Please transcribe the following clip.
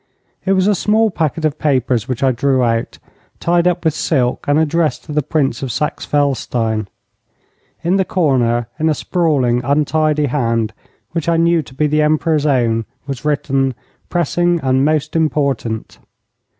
It was a small packet of papers which I drew out, tied up with silk, and addressed to the Prince of Saxe Felstein. In the corner, in a sprawling, untidy hand, which I knew to be the Emperor's own, was written: 'Pressing and most important.'